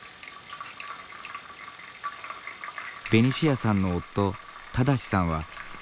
ベニシアさんの夫正さんは山岳写真家。